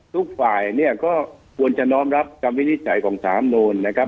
ทุกฝ่ายเนี่ยก็ควรจะน้อมรับคำวินิจฉัยของสามโนนนะครับ